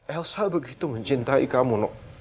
elsa begitu mencintai kamu